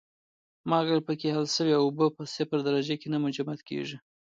مالګه پکې حل شوې اوبه په صفر درجه کې نه منجمد کیږي.